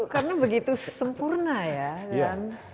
karena begitu sempurna ya